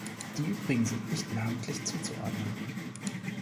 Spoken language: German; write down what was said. Die übrigen sind nicht namentlich zuzuordnen.